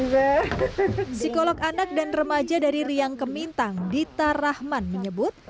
psikolog anak dan remaja dari riang kemintang dita rahman menyebut